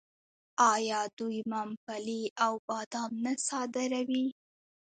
آیا دوی ممپلی او بادام نه صادروي؟